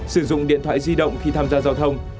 sử dụng điện thoại di động khi tham gia giao thông